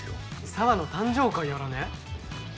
沙和の誕生会やらね？